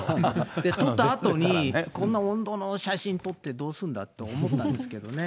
撮ったあとに、こんな温度の写真撮ってどうするんだって思ったんですけどね。